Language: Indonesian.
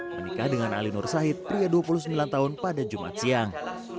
menikah dengan ali nur sahid pria dua puluh sembilan tahun pada jumat siang